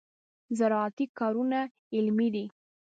زراعتي کارونه علمي دي.